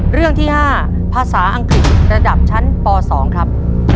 เรื่องที่๕ภาษาอังกฤษระดับชั้นป๒ครับ